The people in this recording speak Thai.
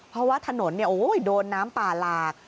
เพราะว่าถนนโดนน้ำป่าหลาก